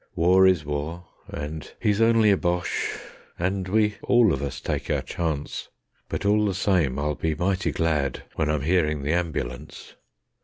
War is war, and he's only a Boche, and we all of us take our chance; But all the same I'll be mighty glad when I'm hearing the ambulance.